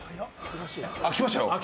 来ましたよ。